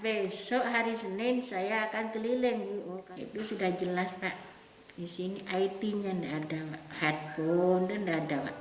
di sini it nya tidak ada handphone nya tidak ada